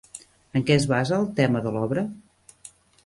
En què es basa el tema de l'obra?